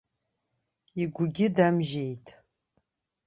Игәгьы дамжьеит.